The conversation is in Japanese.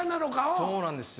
そうなんですよ。